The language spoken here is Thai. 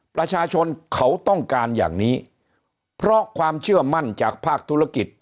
ประชาชนเขาต้องการอย่างนี้เพราะความเชื่อมั่นจากภาคธุรกิจ